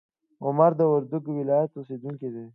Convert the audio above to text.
عمر د وردګو ولایت اوسیدونکی دی.